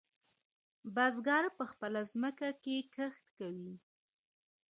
بزگر په خپله ځمکه کې کښت کوي.